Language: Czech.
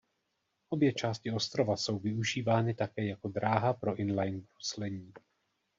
Obě části ostrova jsou využívány také jako dráha pro inline bruslení.